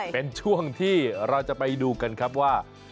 เป็นช่วงที่เราจะไปดูกันครับว่า